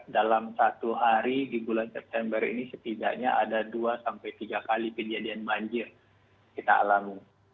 dalam satu hari di bulan september ini setidaknya ada dua sampai tiga kali kejadian banjir kita alami